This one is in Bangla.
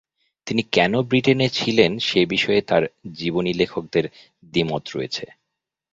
তিনি কেন ব্রিটেনে ছিলেন সে বিষয়ে তার জীবনীলেখকদের দ্বিমত রয়েছে।